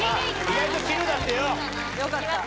意外と絹だってよ。よかった。